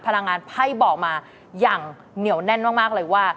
พลังงานไพ่บอกมาอย่างเหนียวแน่นมากเลยว่า